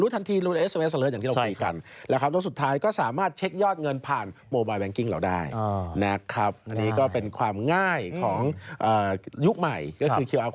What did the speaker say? รู้ทันที